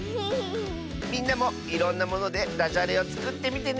みんなもいろんなものでだじゃれをつくってみてね！